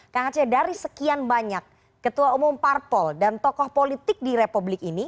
kang aceh dari sekian banyak ketua umum parpol dan tokoh politik di republik ini